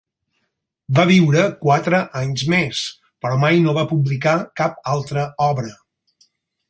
Va viure quatre anys més, però mai no va publicar cap altra obra.